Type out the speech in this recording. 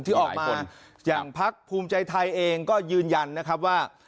ที่ออกมาอย่างพักภูมิใจไทยเองก็ยืนยันนะครับว่า